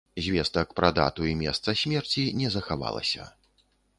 Звестак пра дату і месца смерці не захавалася.